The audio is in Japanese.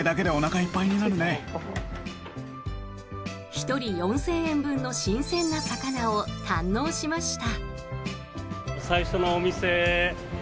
１人４０００円分の新鮮な魚を堪能しました。